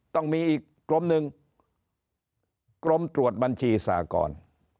ต้องมีอีกกรมหนึ่งกรมตรวจบัญชีสากร